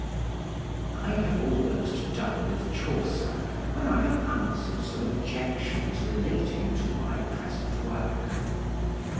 I have almost done with Chaucer, when I have answer'd some objections relating to my present work.